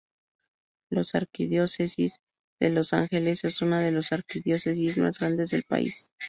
La Arquidiócesis de Los Ángeles es una de las arquidiócesis más grandes del país.